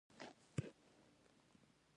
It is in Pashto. ښځې به په زیږون او ساتنه بوختې وې.